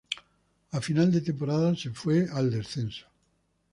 A final de temporada se fue al descenso.